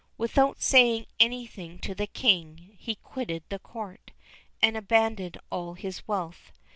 Without saying anything to the King, he quitted the Court, and abandoned all his wealth.